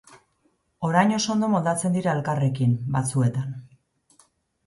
Orain oso ondo moldatzen dira elkarrekin, batzuetan.